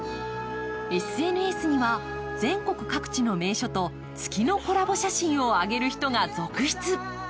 ＳＮＳには全国各地の名所と月のコラボ写真を上げる人が続出。